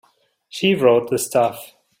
She wrote the stuff.